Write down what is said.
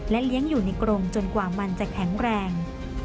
เลี้ยงอยู่ในกรงจนกว่ามันจะแข็งแรง